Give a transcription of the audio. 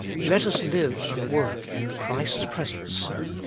Let us live and work in Christ's presence.